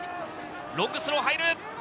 ロングスローが入る。